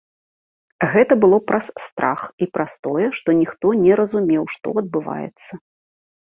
Гэта было праз страх і праз тое, што ніхто не разумеў, што адбываецца.